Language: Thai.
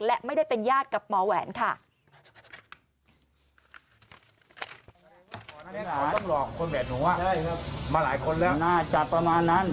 และไม่ได้เป็นญาติกับหมอแหวนค่ะ